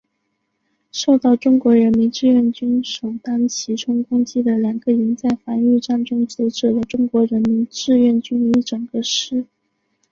受到中国人民志愿军首当其冲攻击的两个营在防御战中阻止了中国人民志愿军一整个师。